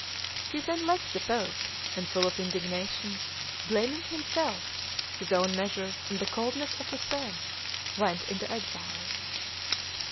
He then left the pope, and, full of indignation, blaming himself, his own measures, and the coldness of his friends, went into exile.